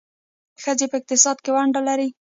ښځې په اقتصاد کې ونډه لري.